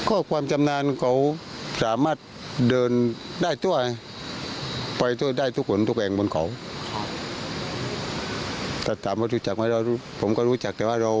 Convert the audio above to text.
โอ้โหสบาย